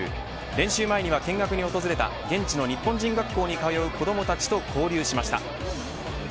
練習前には、見学に訪れた現地の日本人学校に通う子どもたちと交流しました。